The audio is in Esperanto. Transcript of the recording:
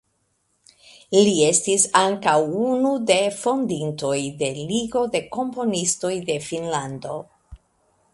Li estis ankaŭ unu de fondintoj de Ligo de Komponistoj de Finnlando.